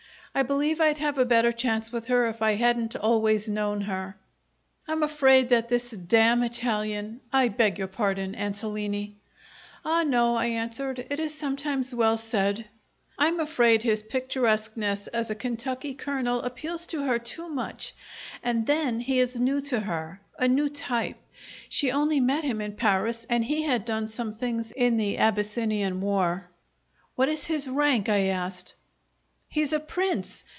I believe I'd have a better chance with her if I hadn't always known her. I'm afraid that this damn Italian I beg your pardon, Ansolini! " "Ah, no," I answered. "It is sometimes well said." "I'm afraid his picturesqueness as a Kentucky Colonel appeals to her too much. And then he is new to her a new type. She only met him in Paris, and he had done some things in the Abyssinian war " "What is his rank?" I asked. "He's a prince.